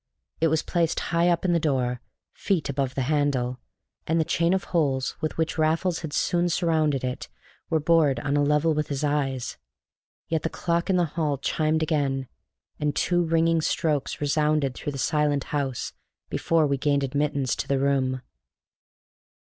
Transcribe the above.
It was placed high up in the door, feet above the handle, and the chain of holes with which Raffles had soon surrounded it were bored on a level with his eyes. Yet the clock in the hall chimed again, and two ringing strokes resounded through the silent house before we gained admittance to the room.